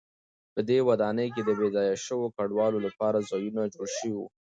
په دې ودانۍ کې د بې ځایه شویو کډوالو لپاره ځایونه جوړ شوي و.